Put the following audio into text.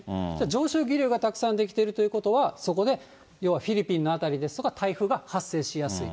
上昇気流がたくさん出来てるということは、そこで要はフィリピンの辺りですとか、台風が発生しやすい。